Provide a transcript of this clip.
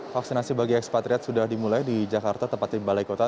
vaksinasi bagi ekspatriat sudah dimulai di jakarta tempat di balai kota